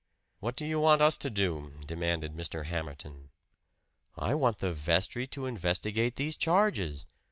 "What do you want us to do?" demanded Mr. Hamerton. "I want the vestry to investigate these charges.